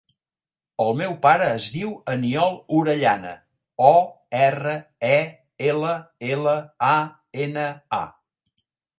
El meu pare es diu Aniol Orellana: o, erra, e, ela, ela, a, ena, a.